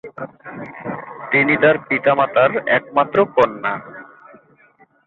তিনি তার পিতামাতার একমাত্র কন্যা।